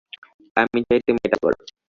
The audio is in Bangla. আমি চাই তুমি এটা করো।